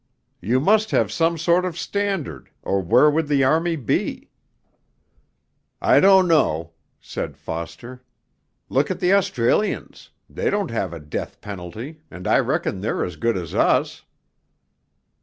'You must have some sort of standard or where would the army be?' 'I don't know,' said Foster, 'look at the Australians they don't have a death penalty, and I reckon they're as good as us.'